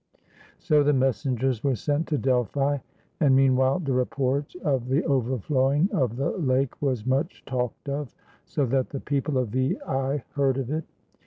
So the messengers were sent to Delphi. And mean while the report of the overflowing of the lake was much talked of; so that the people of Veii heard of it.